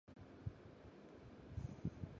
隐藏商店